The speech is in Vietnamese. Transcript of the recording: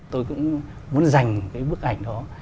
tôi cũng muốn dành cái bức ảnh đó